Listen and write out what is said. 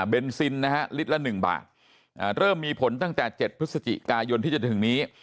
ซินนะฮะลิตรละ๑บาทเริ่มมีผลตั้งแต่๗พฤศจิกายนที่จะถึงนี้